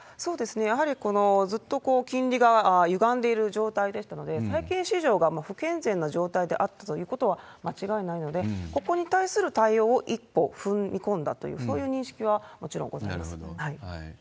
やはりずっと金利がゆがんでいる状態でしたので、債券市場が不健全な状態であったということは間違いないので、ここに対する対応を一歩踏み込んだという、そういう認識はもちろんございます。